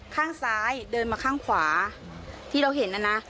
ข้างซ้ายเดินมาข้างขวาที่เราเห็นนะนะ